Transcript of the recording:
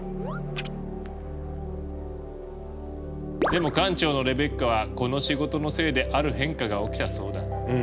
でも館長のレベッカはこの仕事のせいである変化が起きたそうだ。